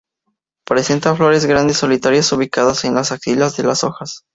Presenta flores grandes solitarias, ubicadas en la axilas de las hojas.